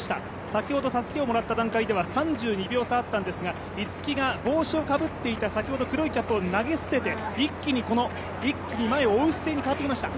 先ほどたすきをもらった段階では３２秒差だったんですが逸木が先ほどかぶっていた黒いキャップを投げ捨てて一気に前を追う姿勢に変わってきました。